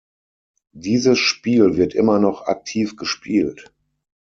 Dieses Spiel wird immer noch aktiv gespielt.